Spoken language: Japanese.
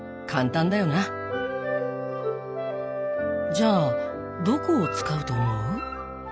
じゃあどこを使うと思う？